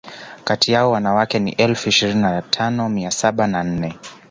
Kati yao wanawake ni elfu ishirini na tano mia saba na nne